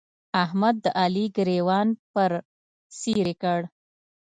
احمد د علي ګرېوان پر څيرې کړ.